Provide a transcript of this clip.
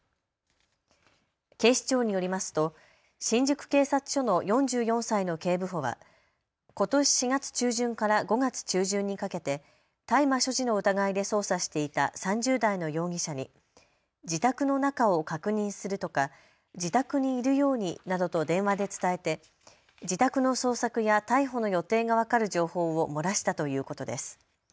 警視庁によりますと新宿警察署の４４歳の警部補は、ことし４月中旬から５月中旬にかけて大麻所持の疑いで捜査していた３０代の容疑者に自宅の中を確認するとか自宅にいるようになどと電話で伝えて自宅の捜索や逮捕の予定が分かる情報を漏らしたということです。